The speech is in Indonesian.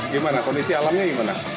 gimana kondisi alamnya gimana